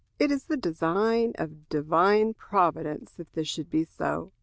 It is the design of Divine Providence that this should be so.